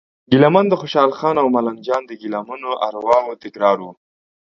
ګیله من د خوشال خان او ملنګ جان د ګیله منو ارواوو تکرار و.